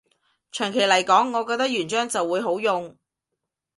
長期來講，我覺得原裝就會好用